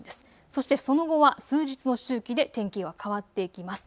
そしてその後は数日の周期で天気は変わっていきます。